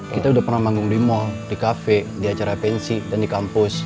kita udah pernah manggung di mall di kafe di acara apensi dan di kampus